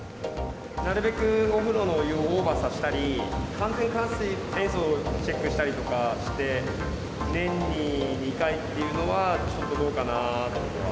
なるべく、お風呂のお湯をオーバーさせたり、完全換水、塩素もチェックしたりとかして、年に２回っていうのは、ちょっとどうかなとは。